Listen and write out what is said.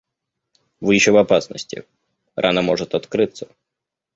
– Вы еще в опасности: рана может открыться.